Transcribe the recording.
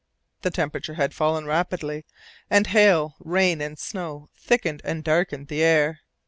The temperature had fallen rapidly, and hail, rain, and snow thickened and darkened the air.